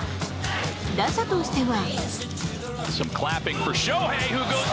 打者としては。